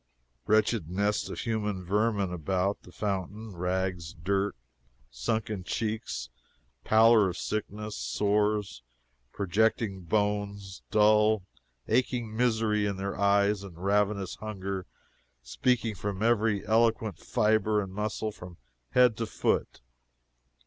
Wretched nest of human vermin about the fountain rags, dirt, sunken cheeks, pallor of sickness, sores, projecting bones, dull, aching misery in their eyes and ravenous hunger speaking from every eloquent fibre and muscle from head to foot.